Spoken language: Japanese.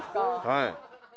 はい。